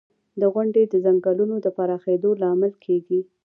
• غونډۍ د ځنګلونو د پراخېدو لامل کېږي.